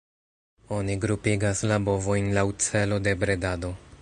Oni grupigas la bovojn laŭ celo de bredado.